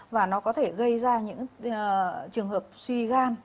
và nó có thể gây ra những trường hợp suy gan